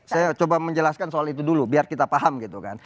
saya coba menjelaskan soal itu dulu biar kita paham gitu kan